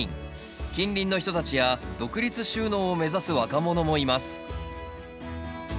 近隣の人たちや独立就農を目指す若者もいます